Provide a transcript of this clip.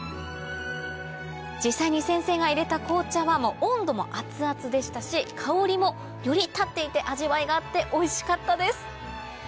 実際に先生が入れた紅茶は温度も熱々でしたし香りもより立っていて味わいがあっておいしかったです